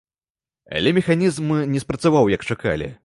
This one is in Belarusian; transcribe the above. Але механізм не спрацаваў, як чакалі.